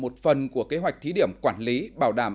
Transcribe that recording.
đó là một phần của kế hoạch thí điểm quản lý bảo đảm